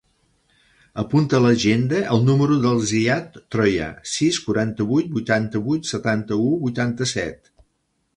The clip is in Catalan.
Apunta a l'agenda el número del Ziyad Troya: sis, quaranta-vuit, vuitanta-vuit, setanta-u, vuitanta-set.